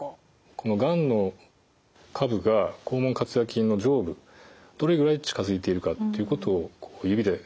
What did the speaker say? このがんの株が肛門括約筋の上部どれぐらい近づいているかっていうことを指で確認するんですね。